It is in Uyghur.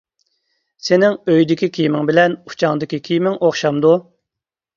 سېنىڭ ئۆيدىكى كىيىمىڭ بىلەن ئۇچاڭدىكى كىيىمىڭ ئوخشامدۇ؟ !